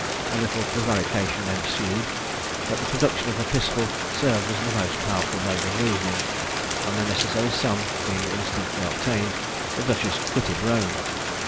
A little prevarication ensued; but the production of a pistol served as the most powerful mode of reasoning; and the necessary sum being instantly obtained, the duchess quitted Rome.